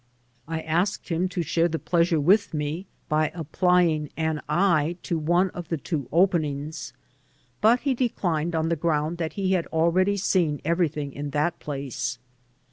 I asked him to share the pleasure with me by applying an eye to one of the two openings, but he declined on the ground that he had already seen everything in that place.